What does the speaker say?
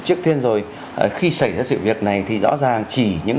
trước tiên rồi khi xảy ra sự việc này thì rõ ràng chỉ những